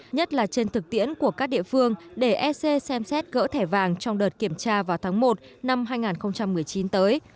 nhất là trên thực tiễn của các địa phương để ec xem xét gỡ thẻ vàng trong đợt kiểm tra vào tháng một năm hai nghìn một mươi chín tới